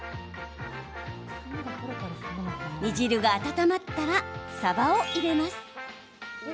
煮汁が温まったらさばを入れます。